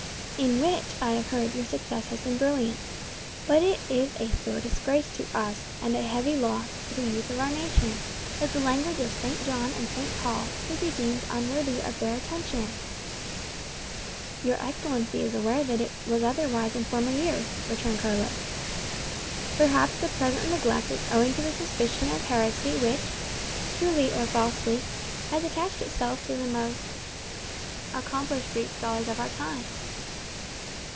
"In which, I have heard, your success has been brilliant. But it is a sore disgrace to us, and a heavy loss to the youth of our nation, that the language of St. John and St. Paul should be deemed unworthy of their attention." "Your Excellency is aware that it was otherwise in former years," returned Carlos. "Perhaps the present neglect is owing to the suspicion of heresy which, truly or falsely, has attached itself to most of the accomplished Greek scholars of our time."